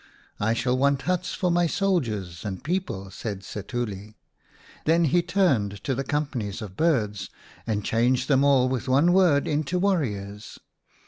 " I shall want huts for my soldiers and people," said Setuli. Then he turned to the companies of birds and changed them all with one word into warriors.